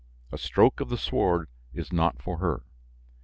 A stroke of the sword is not for her.